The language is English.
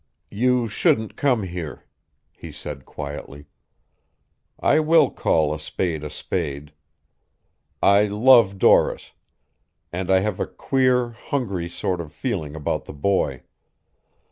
"You shouldn't come here," he said quietly. "I will call a spade a spade. I love Doris and I have a queer, hungry sort of feeling about the boy.